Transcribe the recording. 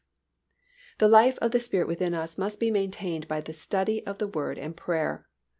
The life of the Spirit within us must be maintained by the study of the Word and prayer.